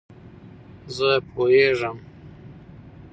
زه پوهېږم !